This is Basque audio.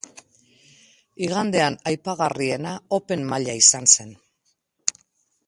Igandean aipagarriena open maila izan zen.